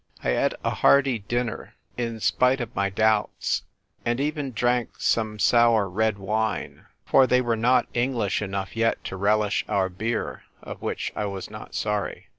I eat a hearty dinner, in spite of my doubts, and even drank some sour red wine ; for they were not EngHsh enough yet to relish our beer, of which I was not sorry.